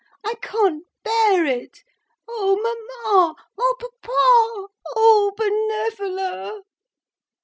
I can't bear it. Oh Mamma! Oh Papa! Oh Benevola!'